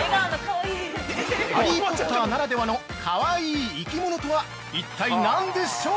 ハリーポッターならではのかわいい生き物とは一体、何でしょう？